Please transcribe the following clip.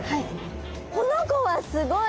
この子はすごい。